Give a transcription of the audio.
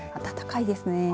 暖かいですね。